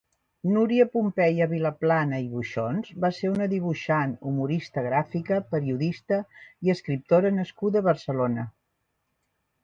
Núria Pompeia Vilaplana i Boixons va ser una dibuixant, humorista gràfica, periodista i escriptora nascuda a Barcelona.